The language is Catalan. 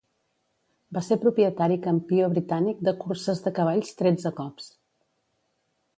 Va ser propietari campió britànic de curses de cavalls tretze cops.